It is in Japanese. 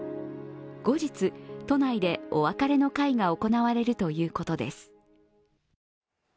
後日、都内でお別れの会が行われるということです。